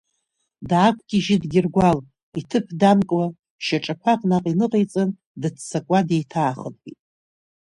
Даақәгьежьит Гьыргәал, иҭыԥ дамкуа, шьаҿақәак наҟ иныҟаиҵан, дыццакуа деиҭаахынҳәит.